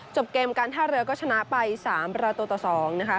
จบเกมการท่าเรือก็ชนะไป๓ประตูต่อ๒นะคะ